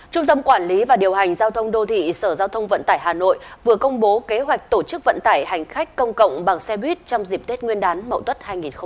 trung tâm quản lý và điều hành giao thông đô thị sở giao thông vận tải hà nội vừa công bố kế hoạch tổ chức vận tải hành khách công cộng bằng xe buýt trong dịp tết nguyên đán mậu tuất hai nghìn hai mươi